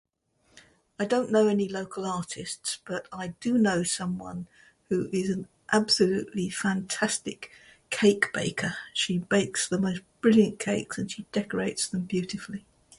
I don't know any local artists, but I do know someone who is an absolutely fantastic cake baker. She bakes the most brilliant cakes and she decorates them beautifully.